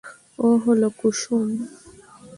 ও হলো কুসুম।